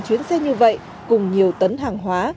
chuyến xe như vậy cùng nhiều tấn hàng hóa